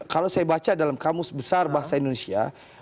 kalau saya baca dalam kamus besar bahasa indonesia